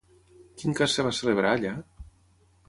Quin cas es va celebrar allà?